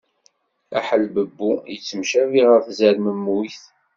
Aḥelbebbu yettemcabi ɣer tzermemmuyt.